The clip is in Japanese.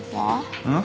うん？